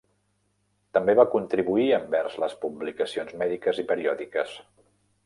També va contribuir envers les publicacions mèdiques i periòdiques.